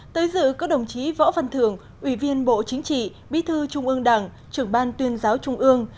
tới dự có đồng chí võ văn thường ủy viên bộ chính trị bí thư trung ương đảng trưởng ban tuyên giáo trung ương